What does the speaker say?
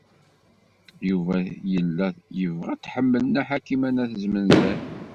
Yuba yella yebɣa ad t-tḥemmel Nna Ḥakima n At Zmenzer.